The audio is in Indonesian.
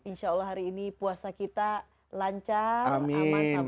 insya allah hari ini puasa kita lancar